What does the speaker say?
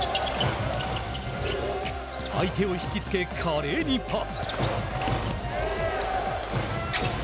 相手を引きつけ、華麗にパス。